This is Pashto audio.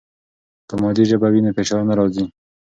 که مادي ژبه وي نو فشار نه راځي.